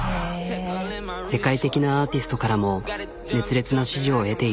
世界的なアーティストからも熱烈な支持を得ている。